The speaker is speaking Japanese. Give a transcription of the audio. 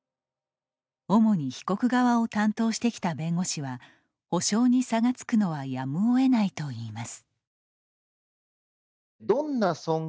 主に被告側を担当してきた弁護士は補償に差がつくのはやむを得ないといいます。